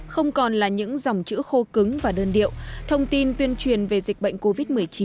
không còn là những dòng chữ khô cứng và đơn điệu thông tin tuyên truyền về dịch bệnh covid một mươi chín